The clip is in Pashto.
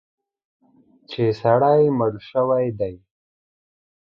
چې سړی مړ شوی دی.